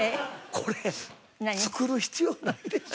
これ作る必要ないでしょ？